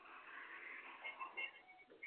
乌索兄弟是由吉米跟杰两个双胞胎组成。